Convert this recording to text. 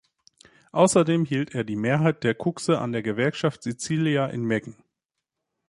Außerdem hielt er die Mehrheit der Kuxe an der Gewerkschaft Sicilia in Meggen.